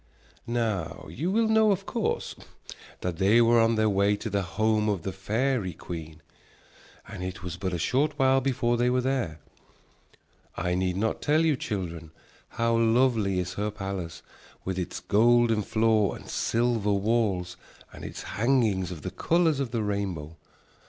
Now you will know of course that they were on their way to the home of the fairy queen. And it was but a short while before they were there. I need not tell you, children, how lovely is her palace, with its golden floor and silver walls and its hangings of the colors of the rainbow.